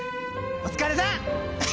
お疲れさん！